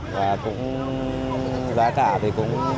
và cũng giá cả thì cũng